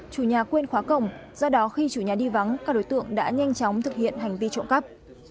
chủ nhà quên khóa cổng do đó khi chủ nhà đi vắng các đối tượng đã nhanh chóng thực hiện hành vi trộm cắp